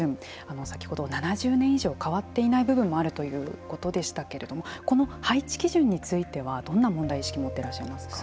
先ほど７０年以上変わっていない部分もあるということでしたけれどもこの配置基準についてはどんな問題意識を持っていらっしゃいますか。